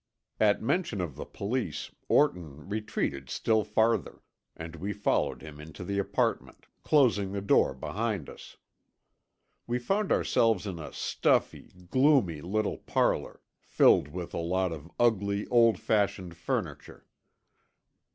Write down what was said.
At mention of the police Orton retreated still farther, and we followed him into the apartment, closing the door behind us. We found ourselves in a stuffy, gloomy little parlor filled with a lot of ugly, old fashioned furniture.